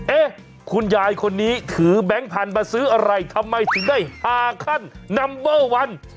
เอ๊ะคุณยายคนนี้ถือแบงค์พันธุ์มาซื้ออะไรทำไมถึงได้ฮาขั้นนัมเบอร์วัน